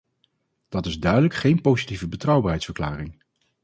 Dat is duidelijk geen positieve betrouwbaarheidsverklaring.